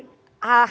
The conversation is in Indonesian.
untuk isu ini